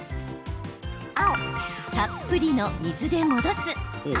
青・たっぷりの水で戻す赤